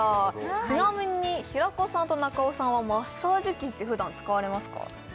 ちなみに平子さんと中尾さんはマッサージ機って普段使われますか？